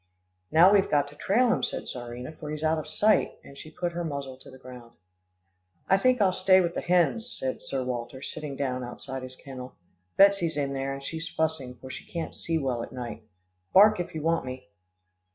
"Now we've got to trail him," said Czarina, "for he's out of sight," and she put her muzzle to the ground. "I think I'll stay with the hens," said Sir Walter, sitting down outside his kennel. "Betsy's in there, and she's fussing, for she can't see well at night. Bark, if you want me."